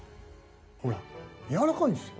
ほらやわらかいんですよ。